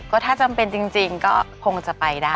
ก็ถ้าจำเป็นจริงก็คงจะไปได้